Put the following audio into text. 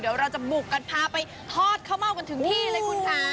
เดี๋ยวเราจะบุกกันพาไปทอดข้าวเม่ากันถึงที่เลยคุณค่ะ